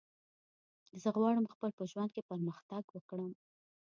زه غواړم خپل په ژوند کی پرمختګ وکړم